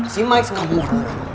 si mike seumur